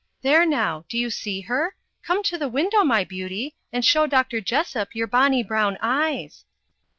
There now! do you see her? Come to the window, my beauty! and show Dr. Jessop your bonny brown eyes."